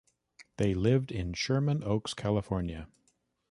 They lived in Sherman Oaks, California.